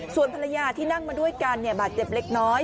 ส่วนภรรยาที่นั่งมาด้วยกันบาดเจ็บเล็กน้อย